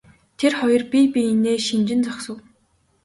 Тэр хоёр бие биенээ шинжин зогсов.